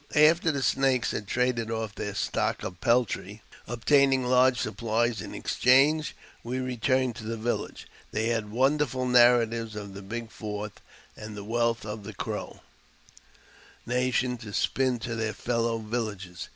After the Snakes had traded off their stock of peltry, ol taining large supplies in exchange, we returned to the village. They had wonderful narratives of the big fort and wealth of the Crow nation to spin to their fellow villagers.